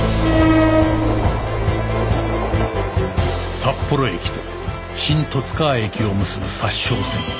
札幌駅と新十津川駅を結ぶ札沼線